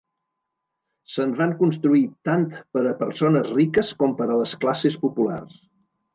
Se'n van construir tant per a persones riques com per a les classes populars.